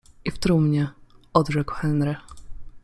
- I w trumnie - odrzekł Henry.